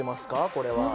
これは。